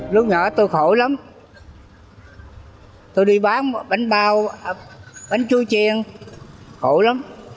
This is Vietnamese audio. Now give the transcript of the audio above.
lúc nhỏ tôi khổ lắm tôi đi bán bánh bao bánh chua chiên khổ lắm